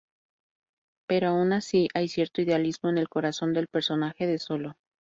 Pero aun así, hay cierto idealismo en el corazón del personaje de Solo.